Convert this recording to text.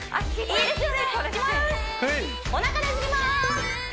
いいですね！